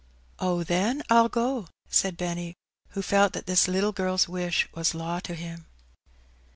'^Oh, then, I'll go," said Benny, who felt that this little girl's wish was law to him.